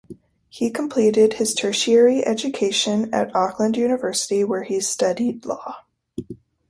He completed his tertiary education at Auckland University, where he studied law.